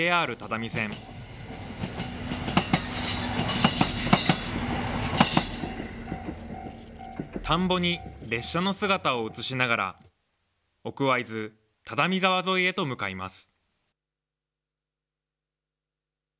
田んぼに列車の姿を映しながら、奥会津・只見川沿いへと向かいます。